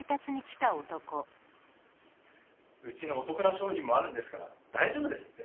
うちのおとくな商品もあるんですからだいじょうぶですって。